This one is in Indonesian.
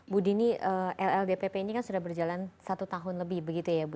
bu dini lldpp ini kan sudah berjalan satu tahun lebih begitu ya bu